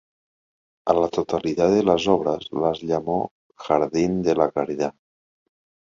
A la totalidad de las obras les llamó Jardín de la Caridad.